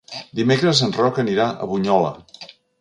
Dimecres en Roc anirà a Bunyola.